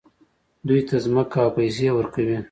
دوی ته ځمکه او پیسې ورکوي.